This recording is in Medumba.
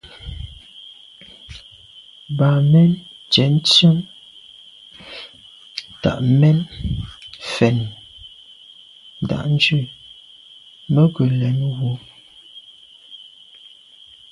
Bǎmén cɛ̌n tsjə́ŋ tà’ mɛ̀n fɛ̀n ndǎʼndjʉ̂ mə́ gə̀ lɛ̌n wú.